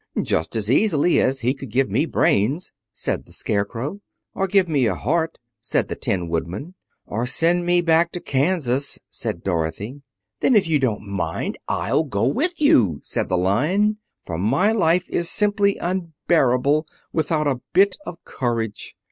"Just as easily as he could give me brains," said the Scarecrow. "Or give me a heart," said the Tin Woodman. "Or send me back to Kansas," said Dorothy. "Then, if you don't mind, I'll go with you," said the Lion, "for my life is simply unbearable without a bit of courage."